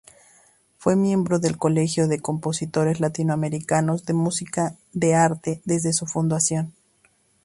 Fue miembro del Colegio de Compositores Latinoamericanos de Música de Arte desde su fundación.